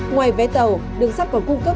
ngoài vé tàu đường sát còn cung cấp